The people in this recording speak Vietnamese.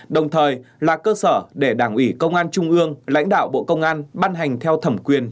đồng thời là cơ sở để đảng ủy công an trung ương lãnh đạo bộ công an ban hành theo thẩm quyền